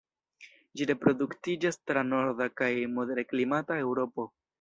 Ĝi reproduktiĝas tra norda kaj moderklimata Eŭropo.